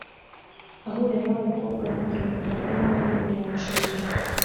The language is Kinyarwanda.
Ahuye nawamukobwa yangaga kuva kera none ngo yamushuje